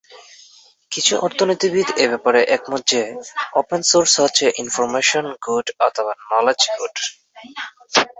কিছু অর্থনীতিবিদ এ ব্যাপারে একমত যে, ওপেন সোর্স হচ্ছে ইনফরমেশন গুড অথবা নলেজ গুড।